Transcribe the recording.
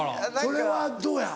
これはどうや？